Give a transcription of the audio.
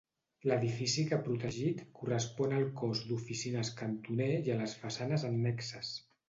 L'edifici que protegit correspon al cos d'oficines cantoner i a les façanes annexes.